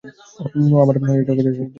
ওহ, আমার একটু কাজে আছে, আসছি একটু পরে।